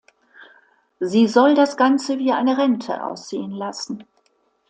Sie soll das Ganze wie eine Rente aussehen lassen.